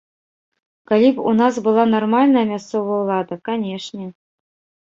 Калі б у нас была нармальная мясцовая ўлада, канешне.